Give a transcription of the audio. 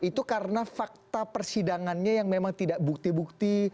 itu karena fakta persidangannya yang memang tidak bukti bukti